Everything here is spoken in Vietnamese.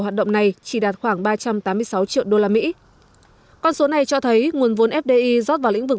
hoạt động này chỉ đạt khoảng ba trăm tám mươi sáu triệu usd con số này cho thấy nguồn vốn fdi rót vào lĩnh vực